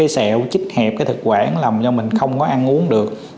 xẹo chích hẹp cái thực quản làm cho mình không có ăn uống được